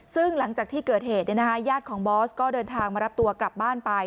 ซึ่งหลังจากที่เกิดเหตุญาติของบอสก็เดินทางมารับตัวกลับบ้านไป